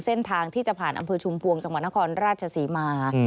เส้นทางที่จะผ่านอำเภอชุมพวงจังหวัดนครราชศรีมา